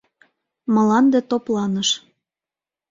Мланде топланыш.